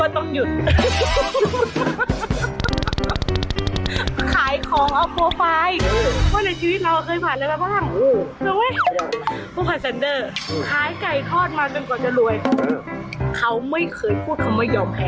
ถามว่าเราต้องอดทนไหม